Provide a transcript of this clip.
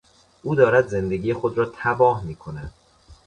او دارد زندگی خود را تباه میکند.